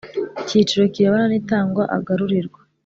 Cyiciro kirebana n itangwa agarurirwa